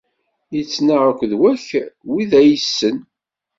Yettnaɣ akked wakk wid ay yessen.